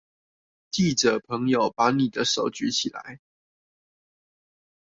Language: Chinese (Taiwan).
記者朋友，把你的手舉起來